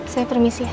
saya permisi ya